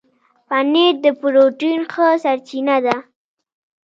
پنېر د پروټين ښه سرچینه ده.